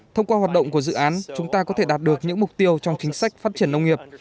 thông qua hoạt động của dự án chúng ta có thể đạt được những mục tiêu trong chính sách phát triển nông nghiệp